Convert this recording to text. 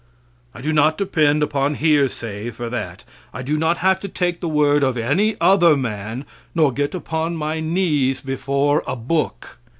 I do not depend upon hearsay for that. I do not have to take the word of any other man, nor get upon my knees before a book.